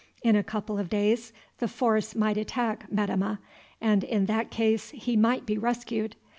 In a couple of days the force might attack Metemmeh, and in that case he might be rescued.